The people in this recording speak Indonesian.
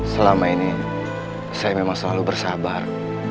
selama ini saya memang selalu bersabar